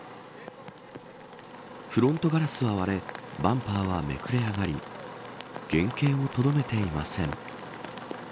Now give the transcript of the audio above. フロントガラスは割れバンパーはめくれ上がり原型を留めていません。